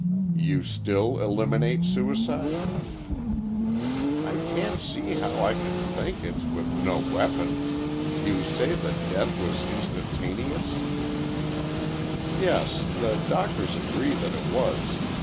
"You still eliminate suicide?" "I can't see how I can think it, with no weapon. You say that death was instantaneous—?" "Yes; the doctors agree that it was.